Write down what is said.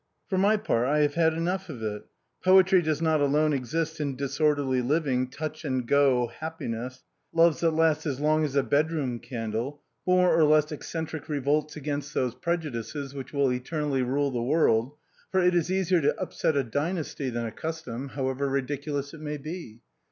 For my part, I have had enough of it. Poetry does not alone exist in disorderly living, touch and go happiness, loves that 320 THE BOHEMIANS OF THE LATIN QUARTEB. last as long as a bedroom candle, more or less eccentric revolts against those prejudices which will eternally rule the world, for it is easier to upset a d3raasty than a custom, however ridiculous it may be.